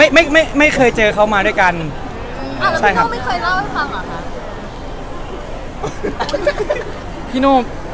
พี่เห็นไอ้เทรดเลิศเราทำไมวะไม่ลืมแล้ว